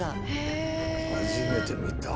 初めて見た。